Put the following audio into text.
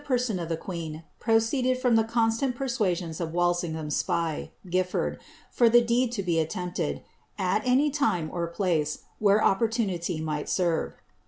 Mn of the qaeen proceeded from the constant persuasions of Wal ngbam's spy, Giflbrd, for the deed to be attempted, at any time or tS where opportanity might senre.